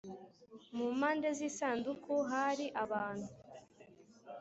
mu mpande z Isanduku hari abantu